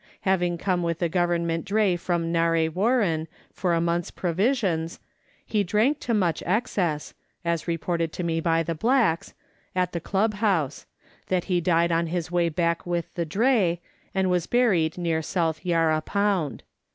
Having come with the Govern ment dray from Narre Warren for the month's provisions, he drank to such excess (as reported to me by the blacks) at the Club house, that he died on his way back with the dray, and was buried near South Yarra pound.